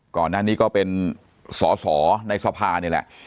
ก่อนหน้านี้ก็เป็นสอสอในสภานี่แหละ